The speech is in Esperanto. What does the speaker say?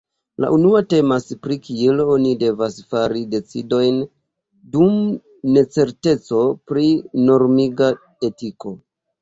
La unua temas pri kiel oni devas fari decidojn dum necerteco pri normiga etiko.